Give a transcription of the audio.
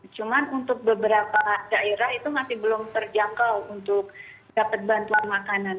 cuma untuk beberapa daerah itu masih belum terjangkau untuk dapat bantuan makanan